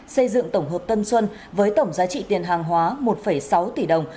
xây dựng tổng hợp tân xuân với tổng giá trị tiền hàng hóa một sáu tỷ đồng